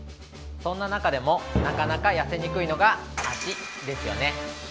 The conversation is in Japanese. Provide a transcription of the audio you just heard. そんな中でも、なかなか痩せにくいのが脚ですよね。